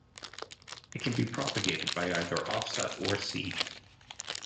It can be propagated by either offset or seed.